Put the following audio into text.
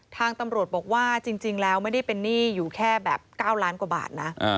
ทางตำรวจบอกว่าจริงแล้วไม่ได้เป็นหนี้อยู่แค่แบบ๙ล้านกว่าบาทนะ